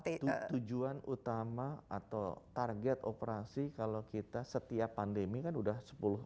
tujuan utama atau target operasi kalau kita setiap pandemi kan sudah sepuluh tahun